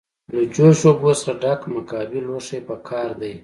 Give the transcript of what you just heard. له جوش اوبو څخه ډک مکعبي لوښی پکار دی.